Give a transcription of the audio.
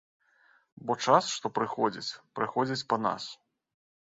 Бо час, што прыходзіць, прыходзіць па нас.